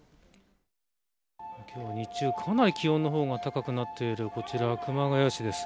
今日、日中かなり気温の方が高くなっていてこちら熊谷市です。